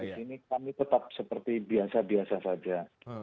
di sini kami tetap seperti biasa biasa saja